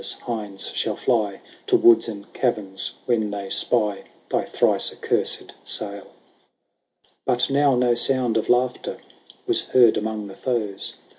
No more Campania's hinds shall fly To woods and caverns when they spy Thy thrice accursed sail." XLI. But now no sound of laughter Was heard among the foes. HORATIUS.